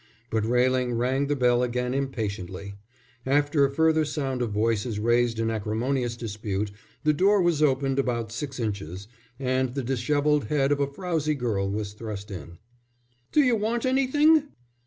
But Railing rang the bell again impatiently. After a further sound of voices raised in acrimonious dispute, the door was opened about six inches, and the dishevelled head of a frowsy girl was thrust in. "D'you want anything?"